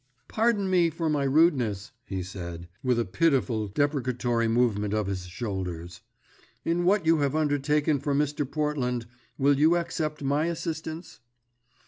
"Pardon me for my rudeness," he said, with a pitiful, deprecatory movement of his shoulders. "In what you have undertaken for Mr. Portland, will you accept my assistance?"